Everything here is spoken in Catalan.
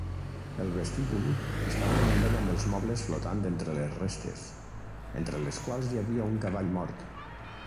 El vestíbul estava inundat amb els mobles flotant entre les restes, entre les quals hi havia un cavall mort.